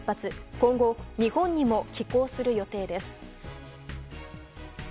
今後、日本にも寄港する予定です。